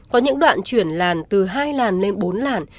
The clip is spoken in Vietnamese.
có những đoạn chuyển làn từ hai làn lên bốn làn